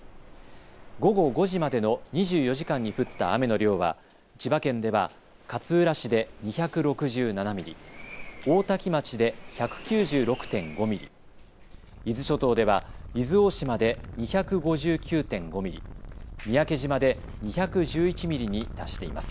午後５時までの２４時間に降った雨の量は千葉県では勝浦市で２６７ミリ、大多喜町で１９６．５ミリ、伊豆諸島では伊豆大島で２５９．５ミリ、三宅島で２１１ミリに達しています。